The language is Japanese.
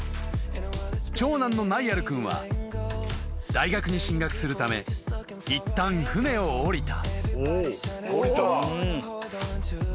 ［長男のナイアル君は大学に進学するためいったん船を下りた］